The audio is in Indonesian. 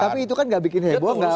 tapi itu kan nggak bikin heboh